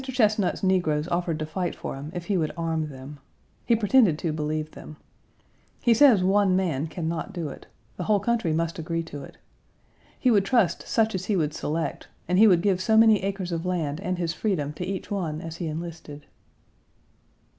Chesnut's negroes offered to fight for him if he would arm them. He pretended to believe them. He says one man can not do it. The whole country must agree to it. He would trust such as he would select, and he would give so many acres of land and his freedom to each one as he enlisted.